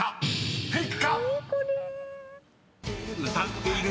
フェイク？］